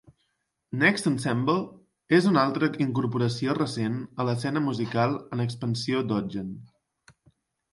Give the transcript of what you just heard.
NextEnsemble és una altra incorporació recent a l'escena musical en expansió d'Ogden.